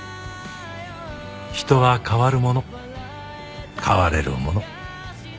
人は変わるもの変われるもの。